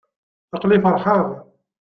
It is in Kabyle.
Aql-i feṛḥeɣ.